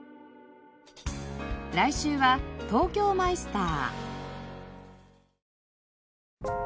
来週は東京マイスター。